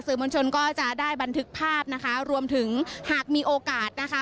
มวลชนก็จะได้บันทึกภาพนะคะรวมถึงหากมีโอกาสนะคะ